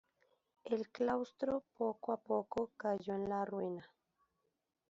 El claustro poco a poco cayó en la ruina.